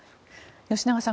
吉永さん